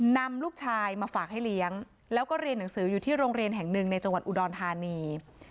นำลูกชายมาฝากให้เลี้ยงแล้วก็เรียนหนังสืออยู่ที่โรงเรียนแห่งหนึ่งในจังหวัดอุดรธานี